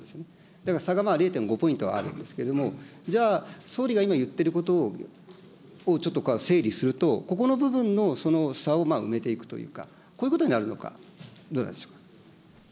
だから差が０．５ポイントあるんですけど、じゃあ、総理が今言っていることをちょっと整理すると、ここの部分のその差を埋めていくというか、こういうことになるのか、どうなんでしょうか。